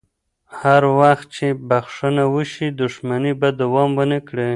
هر وخت چې بخښنه وشي، دښمني به دوام ونه کړي.